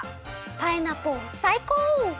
パイナポーさいこう！